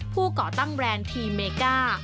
ก่อตั้งแบรนด์ทีมเมก้า